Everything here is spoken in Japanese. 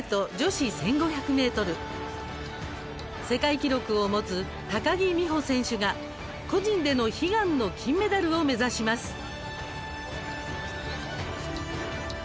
世界記録を持つ高木美帆選手が個人での悲願の金メダルを目指します。